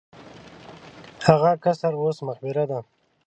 هغه قصر اوس مقبره ده.